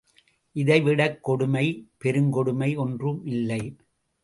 இதைவிடக் கொடுமை பெருங்கொடுமை ஒன்று மில்லை.